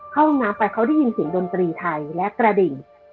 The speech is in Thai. เข้าห้องน้ำไปเขาได้ยินเสียงดนตรีไทยและกระดิ่ง